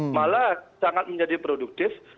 malah sangat menjadi produktif